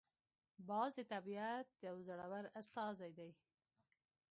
باز د طبیعت یو زړور استازی دی